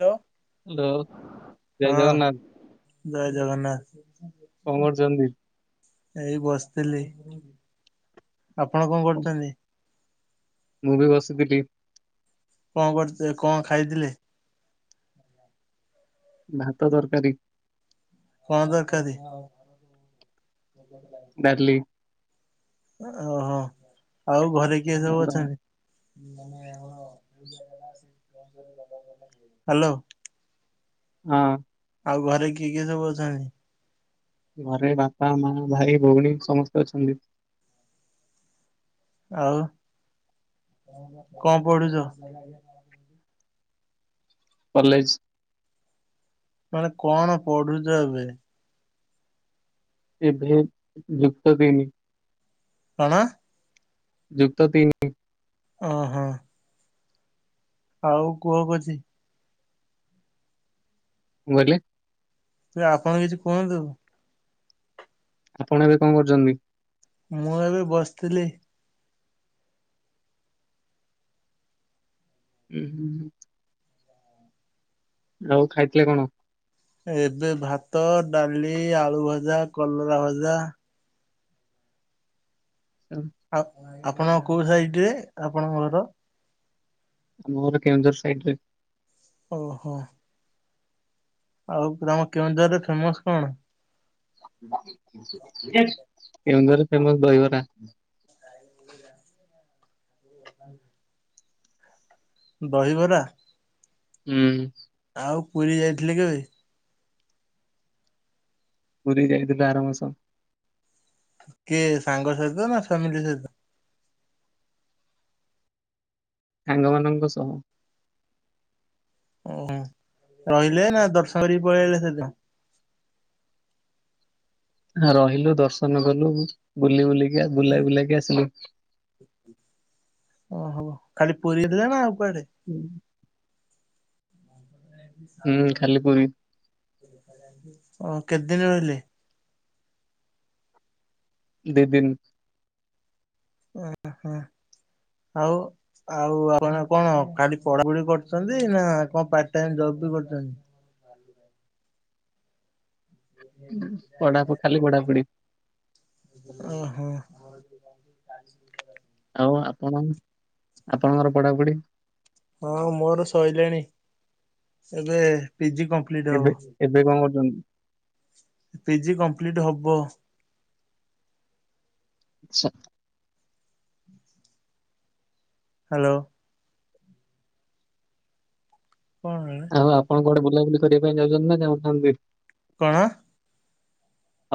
Hello hello ଜୟ ହଁ ଜଗନ୍ନାଥ। ଜୟ ଜଗନ୍ନାଥ କଣ କରୁଛନ୍ତି? ଏଇ ବସିଥିଲଥିଲି। ଆପଣ କଣ କରୁଛନ୍ତି? ମୁଁ ବି ବସିଥିଲି। କଣ କରୁଥିଲେ କଣ ଖାଇଥିଲେ? ଭାତ ତରକାରୀ କଣ ତରକାରୀ? ଡାଲି ଓହୋ ଆଉ ଘରେ କିଏ ସବୁ ଅଛନ୍ତି? ହାଲୋ। ହଁ। ଆଉ ଘରେ କିଏ କିଏ ସବୁ ଅଛନ୍ତି? ଘରେ ବାପା ମା ଭାଇ ଭଉଣୀ ସମସ୍ତେ ଅଛନ୍ତି। ଆଉ କଣ ପଢୁଚ? କଲେଜ। ମାନେ କଣ ପଢୁଛ ଏବେ ଏବେ ଯୁକ୍ତ ତିନି। କଣ? ଯୁକ୍ତ ତିନି। ଓ ହୋ। ଆଉ କୁହ କିଛି। କଣ କହିଲେ। ଆପଣ କିଛି କୁହନ୍ତୁ। ଆପଣ ଏବେ କଣ କରୁଚନ୍ତି? ମୁଁ ଏବେ ବସଥିଲି। ହୁଁ ହୁଁ ହ। ଆଉ ଖାଇଥିଲେ କଣ? ଏବେ ଭାତ ଡାଲି ଆଳୁ ଭଜା କଲରା ଭଜା ହ ଆଉ ଆପଣ କୋଉ ସାଇଡ ରେ ଆପଣଙ୍କ ଘର? ଆମର କେଉଁଝର ସାଇଡ ରେ। ଓହୋ। ଆଉ ତମ କେଉଁଝର ରେ ଫେମସ କଣ? କେଉଁଝର ଫେମସ ଦହିିବରା। ଦହିବରା। ହୁଁ। ଆଉ ପୁରୀ ଯାଇଥିଲେ କେବେ? ପୁରୀ ଯାଇଥିଲୁ ଆର ମାସ। କିଏ ସାଙ୍ଗ ସହିତ ନା ଫ୍ୟାମିଲି ସହିତ? ସାଙ୍ଗମାନଙ୍କ ସହ। ଉଁ ରହିଲେ ନା ଦର୍ଶନ କରିକି ପଳେଇଆଇଲେ ସେଦିନ? ନାଁ ରହିଲୁ ଦର୍ଶନକଲୁ ବୁଲି ବୁଲି କିଆ ବୁଲାଇ ବୁଲେଇକି ଆସିଲୁ। ଓହୋ ଖାଲି ପୁରୀରେ ନା କୁଆଡେ? [inaudible] ହୁଁ ଖାଲି ପୁରୀ ଓ କେତେ ଦିନ ରହିଲେ? ଦି ଦିନ। ଏହେଁ ଆଉ ଆଉ ଆପଣ କଣ ଖାଲି ପଢାପଢି କରଚନ୍ତି ନା କଣ ପାର୍ଟ ଟାଇମ୍ ଜବ ବି କରୁଛନ୍ତି? ପଢାପଢ଼ି ଖାଲି ପଢାପଢି। ଓ ହୋ। ହଉ ଆପଣଙ୍କ ଆପଣଙ୍କର ପଢାପଢ଼ି? ହଁ ମୋର ସରିଲାଣି ଏବେ ପିଜି କମ୍ପ୍ଲିଟ୍ ଏବେ ହବ। ଏବେ କଣ କରୁଛନ୍ତି? ପିଜି କମ୍ପ୍ଲିଟ୍ ହବ। [unintelligible] ହାଲୋ। କଣ ଆଉ ଆପଣ କୁଆଡେ ବୁଲାବୁଲି କରିବା ପାଇଁ ଯାଉଚନ୍ତି ନା ଯାଉନାହାନ୍ତି? କଣ?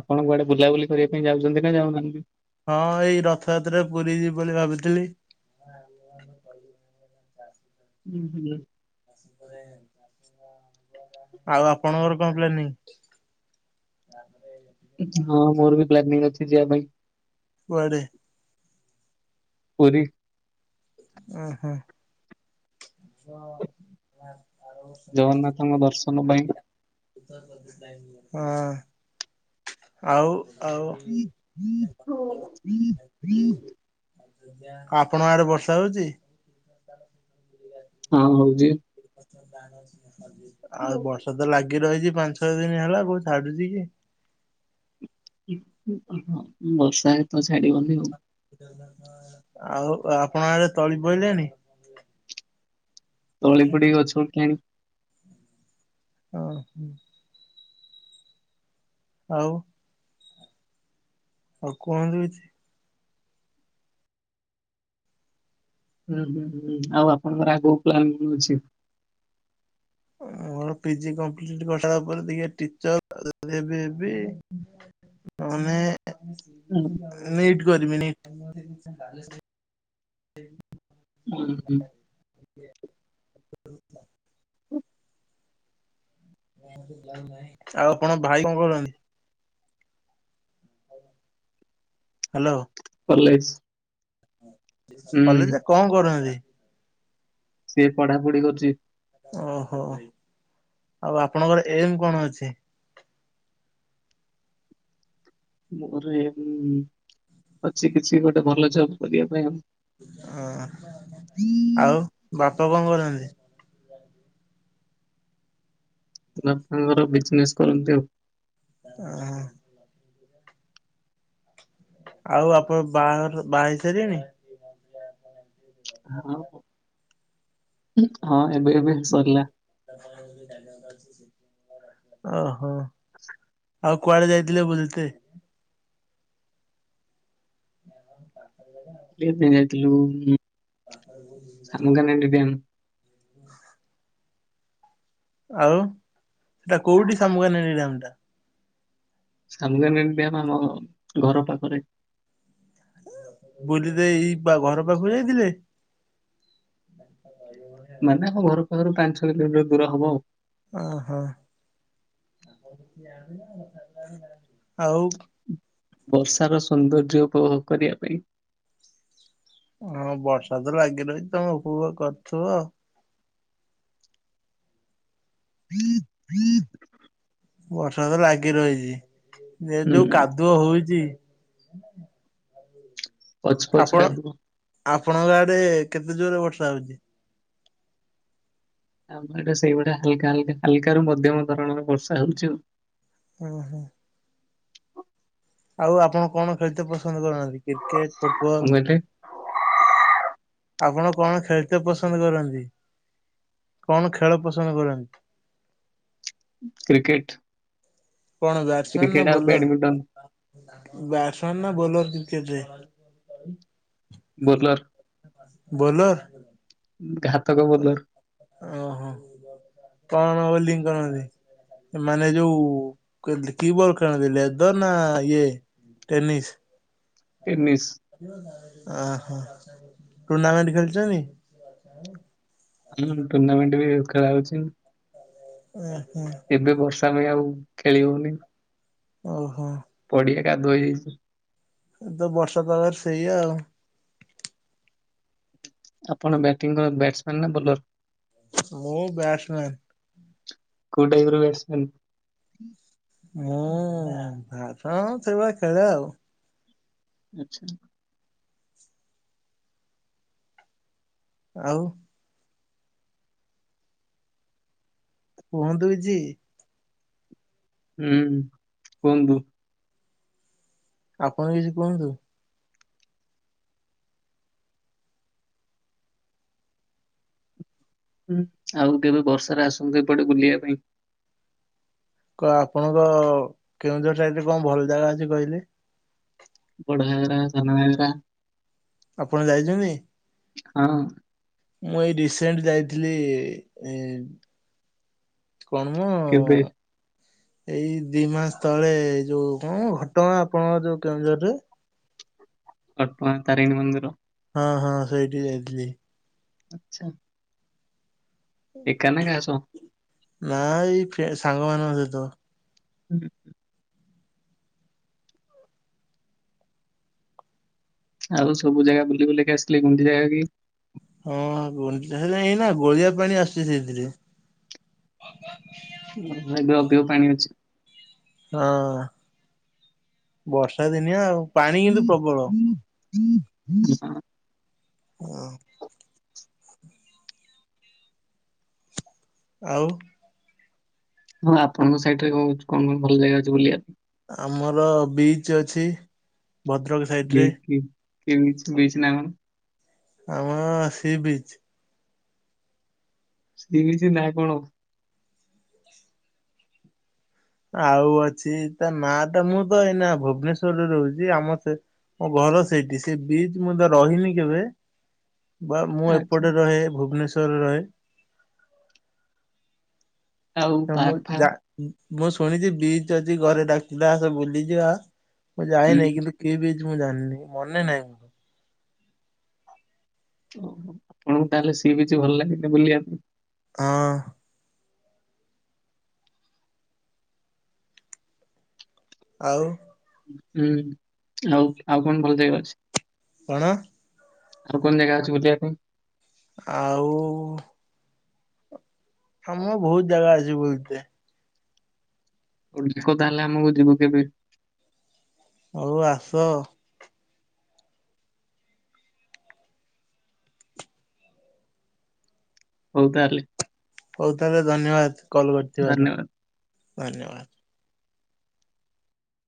ଆପଣ କୁଆଡେ ବୁଲାବୁଲି କରିବା ପାଇଁ ଯାଉଚନ୍ତି ନା ଯାଉନାହାନ୍ତି? ହଁ ଏଇ ରଥଯାତ୍ରାରେ ପୁରୀ ଯିବି ବୋଲି ଭାବିଥିଲି। ହୁଁ ହୁଁ। [inaudible] ଆଉ ଆପଣଙ୍କର କଣ ପ୍ଲାନିଂ? ହଁ ମୋର ବି ପ୍ଲାନିଂ ଅଛି ଯିବା ପାଇଁ। କୁଆଡେ? ପୁରୀ। ଉଁ ହୁଁ। [unintelligible] [unintelligible] ଜଗନ୍ନାଥଙ୍କ ଦର୍ଶନ ପାଇଁ। ହଁ ଆଉ? ଆଉ [unintelligible] ଆପଣଙ୍କ ଆଡେ ବର୍ଷା ହଉଚି? ହଁ ହଉଚି। ଆଉ ବର୍ଷା ତ ଲାଗି ରହିଚି ପାଞ୍ଚ ଛଅ ଦିନ ହେଲା କୋଉ ଛାଡୁଚି କି? ବର୍ଷା ତ ଛାଡିବନି ଆଉ। ଆଉ ଆପଣଙ୍କ ଆଡେ ତଳି ପଇଲାନି? ତଳି ପଡ଼ିକି ଗଛ ଉଠିଲାଣି। ହଁ ହ। ଆଉ? ଆଉ କୁହନ୍ତୁ କିଛି? ହୁଁ ହୁଁ ହୁଁ ଆଉ ଆପଣଙ୍କର ଆଗକୁ ପ୍ଲାନ କଣ ଅଛି? ଆ ପି ଜି କମ୍ପ୍ଲିଟ କରିସାରିଲା ପରେ ଦେଖିଆ ଟିଚର୍ ହେବି ହେବି। ତାମାନେ ନିଟ୍ କରିବି। ନିଟ। ହୁଁ ହଁ। [inaudible] ଆଉ ଆପଣ ଭାଇ କଣ କରୁଛନ୍ତି? ହାଲୋ। ପର୍ଲେସ୍। କଲେ ଯେ କଣ କରୁଚନ୍ତି? ସିଏ ପଢାପଢି କରୁଚି। ଓହୋ ଆଉ ଆପଣଙ୍କର ଏମ୍ କଣ ଅଛି? ମୋର ଏମ ଅଛି କିଛି ଗୋଟେ ଭଲ ଜବ୍ କରିବା ପାଇଁ ଆଉ। ହ ଆଉ ବାପା କଣ କରନ୍ତି? [unintelligible] ବିଜନେସ୍ କରନ୍ତି। ଅ ହ। ଆଉ ଆପଣ ବାହାଘର ବାହା ହେଇ ସାରିଲେଣି? ହଁ। ହଁ ଏବେ ଏବେ ସରିଲା। ଓହୋ ଆଉ କୁଆଡେ ଯାଇଥିଲେ ବୁଲତେ? [unintelligible] ଏବେ ଯାଇଥିଲୁ ସାଙ୍ଗ [unintelligible] ହୁଁ। ଆଉ ସେଟା କୋଉଠି ସାମୁଗାନେଡି ଡାମଟା? [unintelligible] ଆମ ଆମ ଘର ପାଖରେ। ବୁଲିଦେଇ ବା ଘର ପାଖକୁ ଯାଇଥିଲେ। ମାନେ ଆମ ଘର ପାଖରୁ ପାଞ୍ଚ ଛଅ କିଲୋମିଟର ଦୂର ହବ ଆଉ। ଓହୋ ଆଉ। ବର୍ଷାର ସୌନ୍ଦର୍ଯ୍ୟ ଉପଭୋଗ କରିବା ପାଇଁ। ହଁ ବର୍ଷା ତ ଲାଗି ରହିଛି ତମେ ଉପଭୋଗ କରୁଥିବ। ହଂ ହଂ ବର୍ଷା ତ ଲାଗି ରହିଛି ଏ ହୁଁ ଯୋଉ କାଦୁଅ ହଉଛି। ପଚ୍ ପଚ୍ ଆପଣ କାଦୁଅ। ଆପଣଙ୍କ ଆଡେ କେତେ ଜୋରରେ ବର୍ଷା ହଉଛି? ଆମ ଆଡେ ସେଇଭଳିଆ ହାଲ ହାଲ ହାଲକୁ ମଧ୍ୟମ ଧରଣରେ ବର୍ଷା ହଉଛି ଆଉ। [unintelligible] ଆଉ ଆପଣ କଣ ଖେଳିତେ ପସନ୍ଦ କରୁନାହାନ୍ତି। Cricket, football. କଣ କହିଲେ ଆପଣ କଣ ଖେଳିତେ ପସନ୍ଦ କରନ୍ତି? କଣ ଖେଳ ପସନ୍ଦ କରନ୍ତି? କ୍ରିକେଟ। କଣ ବ୍ୟାଟସମ୍ୟାାନ ନା ବୋଲର, ବ୍ୟାଟସମ୍ୟାାନ ନା ବୋଲର? କେବେ? ବୋଲର୍। ବୋଲର୍। ଘାତକ ବୋଲର ଓହୋ ପ୍ରଣ ବୋଲିଙ୍ଗ କରନ୍ତି। ମାନେ ଯୋଉ କିିବଲ [unintelligible] ଲେଦର ନା ଇଏ ଟେନିସ୍। ଟେନିସ୍ ଟୁର୍ଣ୍ଣାମେଣ୍ଟ ଖେଳିଛନ୍ତି? ହମ୍ ଟୁର୍ଣ୍ଣାମେଣ୍ଟ ବି ଖେଳା ହଉଛି। ଓହୋ। ଏବେ ବର୍ଷା ପାଇଁ ଆଉ ଖେଳି ହଉନି ଓହୋ ପଡିଆ କାଦୁଅ ହେଇଯାଇଛି। ଏ ତ ବର୍ଷା ପାଗରେ ସେଇ ଆଉ। ଆପଣ ବ୍ୟାଟିଂକର ବ୍ୟାଟସମ୍ୟାନ୍ ନା ବୋଲର? ମୁଁ ବ୍ୟାଟ୍ସମ୍ୟାନ୍। କୋଉ ଟାଇପର ବ୍ୟାଟସମ୍ୟାନ୍? ମୁଁ ଭାତ ସେଇଭଳିଆ ଖେଳେ ଆଉ। ଆଚ୍ଛା। ଆଉ। କୁହନ୍ତୁ କିଛି। ହୁଁ କୁହନ୍ତୁ। ଆପଣ କିଛି କୁହନ୍ତୁ। ହୁଁ ଆଉ କେବେ ବର୍ଷାରେ ଆସନ୍ତୁ ଏପଟେ ବୁଲିବା ପାଇଁ। କ ଆପଣଙ୍କ କେଉଁଝର ସାଇଟରେ କଣ ଭଲ ଜାଗା ଅଛି କହିଲେ। ବଡଘାଗରା, ସାନଘାଗରା। ଆପଣ ଯାଇଚନ୍ତି? ହଁ। ମୁଁ ଏଇ ରିସେଣ୍ଟ ଯାଇଥିଲି କଣ ମ କେବେ ଏଇ ଦି ମାସ ତଳେ ଯୋଉ କଣ ଘଟଗାଁ ଆପଣଙ୍କର ଯୋଉ କେଉଁଝରରେ। ଘଟଗାଁ ତାରିଣୀ ମନ୍ଦିର। ହଁ ହଁ ସେଇଠିକି ଯାଇଥିଲି। ଆଚ୍ଛା। ଏକା ନା କାହା ସହ। ନା ଏଇ ଫ୍ରେ ସାଙ୍ଗ ମାନଙ୍କ ସହିତ। ହୁଁ। ଆଉ ସବୁ ଜାଗା ବୁଲି ବାଲିକି ଆସିଲେ ଗୁଣ୍ଡିଚା ଘାଇ ବି। ହଁ ଗୁଣ୍ଡିଚା ଘାଇ ଏଇନା ଗୋଳିଆ ପାଣି ଆସୁଚି ସେଇଥିରେ। ଭଲ ଲାଗିବ ଅଧିକ ପାଣି ଅଛି। ହଁ ବର୍ଷା ଦିନିଆ ଆଉ ପାଣି କିନ୍ତୁ ପ୍ରବଳ। [inaudible] ଓ। ଆଉ। ହଉ ଆପଣଙ୍କ ସାଇଟରେ କଁ ଅଛ କଣ କଣ ଭଲ ଜାଗା ଅଛି ବୁଲିବାକୁ। ଆମର ବିଚ୍ ଅଛି ଭଦ୍ରକ ସାଇଟ୍ ରେ। କି ବିଚ୍ ବିଚ୍ ନା କଣ। ଆମର ସି ବିଚ୍। ସି ବିଚ୍ ନା କଣ। ଆଉ ଅଛି ତା ନାଁ ଟା ମୁଁ ତ ଏଇନା ଭୁବନେଶ୍ଵର ରେ ରହୁଛି ଆମ ସେ। ମୋ ଘର ସେଇଠି ସେ ବିଚ୍ ମୁଁ ତ ରହିନି କେବେ। ବା ମୁଁ ଆଚ୍ଛା। ଏପଟେ ରହେ ଭୁବନେଶ୍ଵର ରେ ରହେ ‌। ଆଉ ନା ମୁଁ ପାର୍କ ଯା। ଫାର୍କ ମୁଁ ଶୁଣିଚି ବିଚ୍ ଅଛି ଘରେ ଡାକୁଥିଲେ ଆସ ବୁଲି ଯିବା ମୁଁ ହୁଁ ଯାଇନାହିଁ କିନ୍ତୁ କି ବିଚ୍। ମୁଁ ଜାଣିନି ମନେ ନାଇଁ ମୋର। ଓ ହୋ ଆପଣଙ୍କୁ ତାହେଲେ ସି ବିଚ୍ ଭଲ ଲାଗେନି ବୁଲିବାକୁ। ହଁ। ଆଉ। ହୁଁ ଆଉ ଆଉ କଣ ଭଲ ଜାଗା ଅଛି। କଣ। ଆଉ କଣ ଜାଗା ଅଛି ବୁଲିବା ପାଇଁ। ଆଉ। ଆମର ବୋହୁତ ଜାଗା ଅଛି ବୁଲତେ। ଡାକ ତାହେଲେ ଆମକୁ ଯିବୁ କେବେ। ହଉ ଆସ। ହଉ ତାଏଲେ। ହଉ ତାହେଲେ ଧନ୍ୟବାଦ କଲ କରିଥିବାରୁ ଧନ୍ୟବାଦ। ଧନ୍ୟବାଦ।